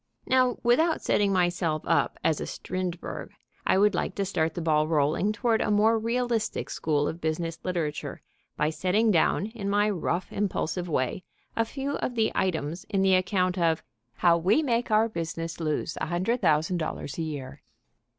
Now, without setting myself up as a Strindberg, I would like to start the ball rolling toward a more realistic school of business literature by setting down in my rough, impulsive way a few of the items in the account of "How We Make Our Business Lose $100,000 a Year."